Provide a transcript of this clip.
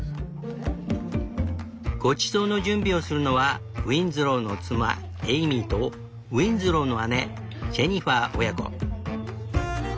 ごちそうの準備をするのはウィンズローの妻エイミーとウィンズローの姉ジェニファー親子。